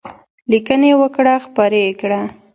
لیکنې وکړه خپرې یې کړه.